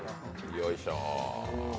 よいしょ。